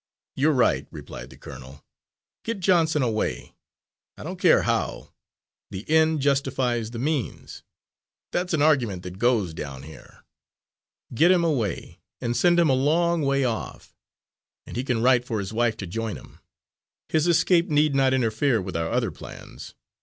"You're right," replied the colonel. "Get Johnson away, I don't care how. The end justifies the means that's an argument that goes down here. Get him away, and send him a long way off, and he can write for his wife to join him. His escape need not interfere with our other plans.